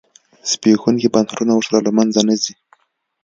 زبېښونکي بنسټونه ورسره له منځه نه ځي.